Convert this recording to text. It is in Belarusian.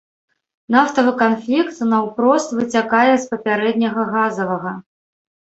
Нафтавы канфлікт наўпрост выцякае з папярэдняга газавага.